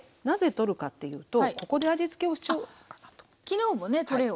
なぜ取るかっていうとここで味付けをしちゃおうかなと。